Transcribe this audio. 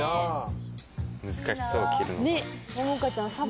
難しそう切るの。